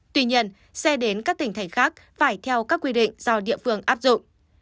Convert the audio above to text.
tuy nhiên xe đến các tỉnh thành khác phải theo các quy định do địa phương áp dụng